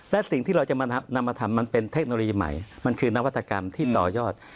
และสิ่งที่เราจะมานำมาทำมันเป็นเทคโนโลยีใหม่มันคือนวัตกรรมที่ต่อยอด